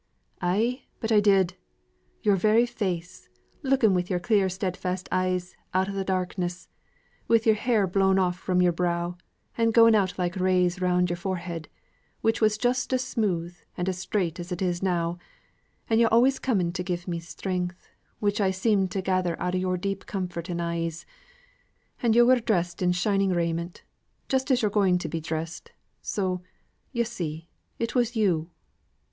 "Ay, but I did. Yo'r very face, looking wi' yo'r clear steadfast eyes out o' th' darkness, wi' yo'r hair blown off from yo'r brow, and going out like rays round yo'r forehead, which was just as smooth and straight as it is now, and yo' always came to give me strength, which I seemed to gather out o' yo'r deep comforting eyes, and yo' was drest in shining raiment just as yo'r going to be drest. So, yo' see, it was yo'!"